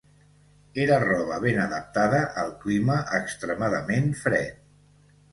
Era roba ben adaptada al clima extremadament fred.